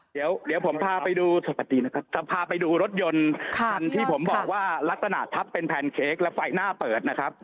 เดี๋ยวผมพาไปดูรถยนต์ที่ผมบอกว่าลักษณะทัพเป็นแพนเค้กและไฟหน้าเปิดนะครับ